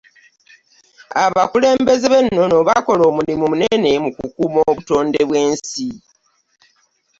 Abakulembeze b'ennono bakola omulimu munene mu kukuuma obutonde bw'ensi